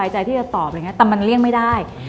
ใจที่จะตอบแต่มันเลี่ยงไม่ได้